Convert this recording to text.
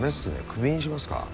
クビにしますか？